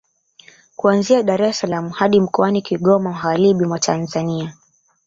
Kuanzia Dar es salaam hadi mkoani Kigoma magharibi mwa Tanzania